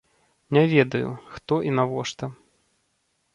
Не ведаю, хто і навошта.